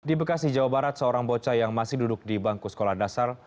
di bekasi jawa barat seorang bocah yang masih duduk di bangku sekolah dasar